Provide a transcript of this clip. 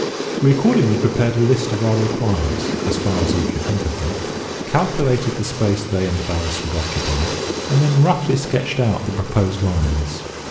We accordingly prepared a list of our requirements, as far as we could think of them, calculated the space they and the ballast would occupy, and then roughly sketched out the proposed lines.